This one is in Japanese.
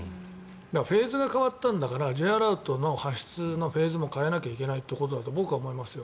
フェーズが変わったんだからＪアラートの発出のフェーズも変えないといけないということだと僕は思いますよ。